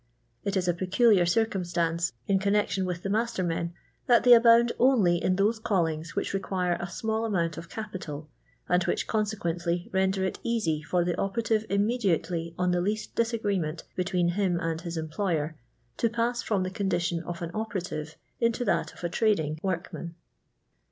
It is a peculiar circumstance in conn vco" I with tlie master men that thoy abound only ia those callings whicli rei|uire a small amount o!" capital, aiul which, consequently, render it ea«y f<r the opeiative imnudiately on the le.ist dii agreeiiieiit between him and his employer to v&o fn»m the condition of an operative into tL'il of s tniding workmen.